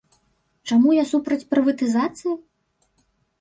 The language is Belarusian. Чаму я супраць прыватызацыі?